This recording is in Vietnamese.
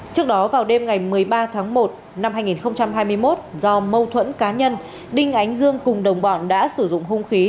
trước đó vào đêm ngày một mươi ba tháng một năm hai nghìn hai mươi một do mâu thuẫn cá nhân đinh ánh dương cùng đồng bọn đã sử dụng hung khí